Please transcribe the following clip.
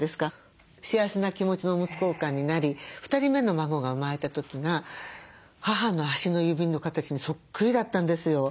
幸せな気持ちのおむつ交換になり２人目の孫が生まれた時が母の足の指の形にそっくりだったんですよ。